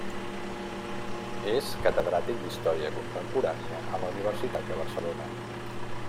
És catedràtic d'Història Contemporània a la Universitat de Barcelona.